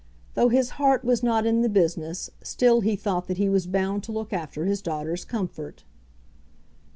Though his heart was not in the business, still he thought that he was bound to look after his daughter's comfort.